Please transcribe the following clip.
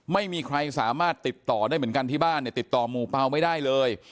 ไม่มีใครสามารถติดต่อได้เหมือนกันที่บ้านเนี่ยติดต่อหมู่เปล่าไม่ได้เลย